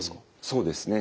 そうですね。